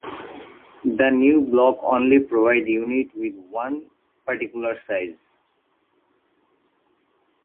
The new blocks only provide units with one particular size.